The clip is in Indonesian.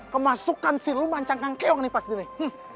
kemasukan sih lo mancang kangkeong pas di sini